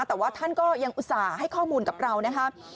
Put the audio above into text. แต่ว่าท่านก็ยังอุตส่าห์ให้ข้อมูลกับเรานะครับ